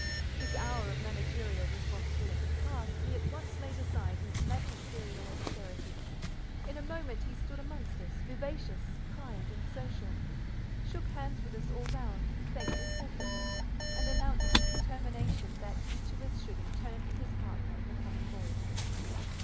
His hour of managerial responsibility past, he at once laid aside his magisterial austerity; in a moment he stood amongst us, vivacious, kind, and social, shook hands with us all round, thanked us separately, and announced his determination that each of us should in turn be his partner in the coming ball.